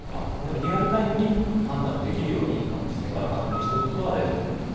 リアルタイムに判断できるように事前から確認しておくことが大事だと思います。